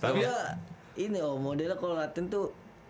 tapi ya ini om modelnya kalau ngeliatin tuh